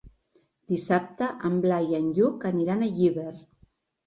Dissabte en Blai i en Lluc aniran a Llíber.